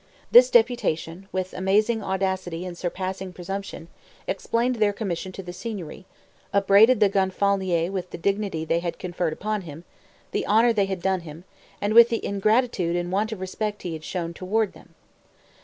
This deputation, with amazing audacity and surpassing presumption, explained their commission to the Signory, upbraided the Gonfalonier with the dignity they had conferred upon him, the honor they had done him, and with the ingratitude and want of respect he had shown toward them.